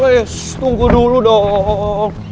woy woy tunggu dulu dong